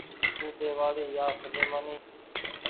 ۮودي وآڙي يا سليمآني